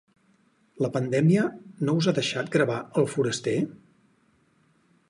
La pandèmia no us ha deixat gravar ‘El Foraster’?